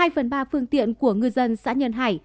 hai phần ba phương tiện của ngư dân xã nhân hải